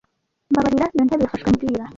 Mbabarira, iyo ntebe yafashwe mbwira